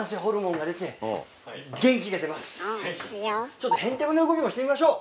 ちょっとヘンテコな動きもしてみましょう！